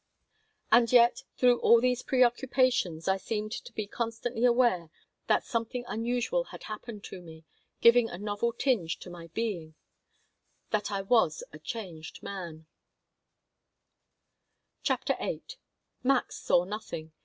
And yet, through all these preoccupations I seemed to be constantly aware that something unusual had happened to me, giving a novel tinge to my being; that I was a changed man CHAPTER VIII MAX saw nothing.